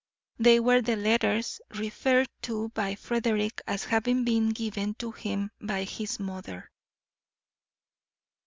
They were the letters referred to by Frederick as having been given to him by his mother.